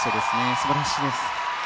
素晴らしいです。